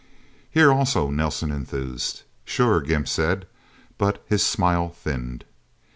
"Here, also," Nelsen enthused. "Sure," Gimp said. But his smile thinned.